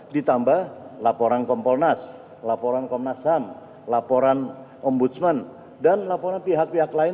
ditambah laporan kompolnas laporan komnas ham laporan ombudsman dan laporan pihak pihak lain